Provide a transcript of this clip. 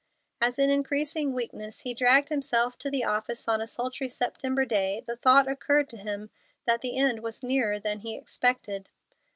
As in increasing weakness he dragged himself to the office on a sultry September day, the thought occurred to him that the end was nearer than he expected.